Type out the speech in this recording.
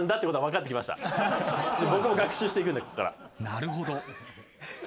なるほど。